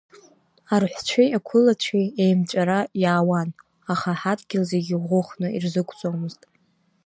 Арҳәцәеи ақәылацәеи еимҵәара иаауан, аха ҳадгьыл зегьы ӷәыхны ирзықәҵомызт.